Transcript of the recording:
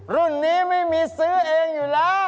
รุ่นนี้ไม่มีซื้อเองอยู่แล้ว